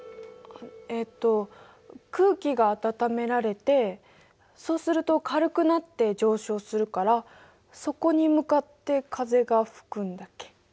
えっと空気が暖められてそうすると軽くなって上昇するからそこに向かって風が吹くんだっけ？